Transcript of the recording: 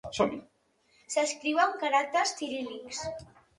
S'escriu amb caràcters ciríl·lics.